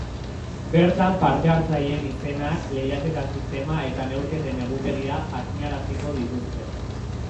Bertan parte-hartzaileen izenak, lehiaketa sistema eta neurketen egutegia jakinaraziko dituzte.